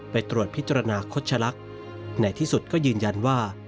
ไปตรวจพิจารณาคดชะลักในที่สุดก็ยืนยันว่า